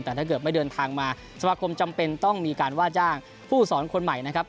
แต่ถ้าเกิดไม่เดินทางมาสมาคมจำเป็นต้องมีการว่าจ้างผู้สอนคนใหม่นะครับ